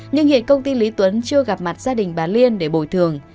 nhưng hiện công ty lý tuấn chưa gặp mặt gia đình bà liên để bồi thường